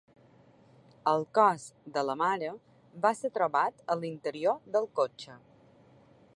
El cos de la mare va ser trobat a l’interior del cotxe.